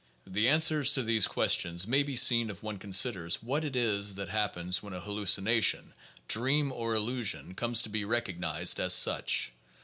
The answer to these questions may be seen if one considers what it is that happens when a hallucination, dream, or illusion comes to be recognized as such.